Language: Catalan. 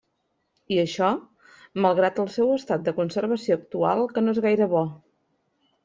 I, això, malgrat el seu estat de conservació actual, que no és gaire bo.